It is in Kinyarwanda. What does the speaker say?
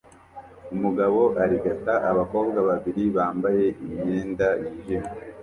Umugabo arigata abakobwa babiri bambaye imyenda yijimye